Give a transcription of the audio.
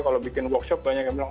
kalau bikin workshop banyak yang bilang